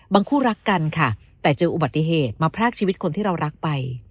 คู่รักกันค่ะแต่เจออุบัติเหตุมาพรากชีวิตคนที่เรารักไป